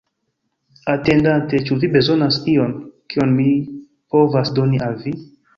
Atendante, ĉu vi bezonas ion, kion mi povas doni al vi?